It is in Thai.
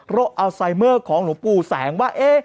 อัลไซเมอร์ของหลวงปู่แสงว่า